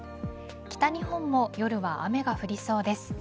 北日本も夜は雨が降りそうです。